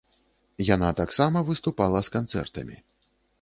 Яна таксама выступала з канцэртамі.